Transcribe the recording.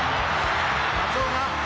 松尾が。